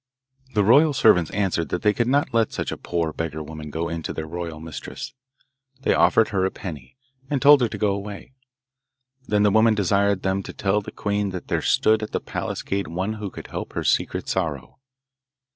The royal servants answered that they could not let such a poor beggar woman go in to their royal mistress. They offered her a penny, and told her to go away. Then the woman desired them to tell the queen that there stood at the palace gate one who would help her secret sorrow.